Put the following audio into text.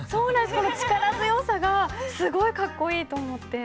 この力強さがすごいかっこいいと思って。